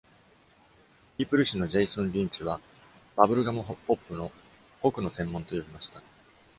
「People 誌」のジェイソン・リンチは、バブルガム・ポップのホクの専門と呼びました。